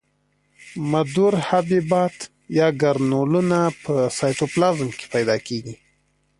مدور حبیبات یا ګرنولونه په سایتوپلازم کې پیدا کیږي.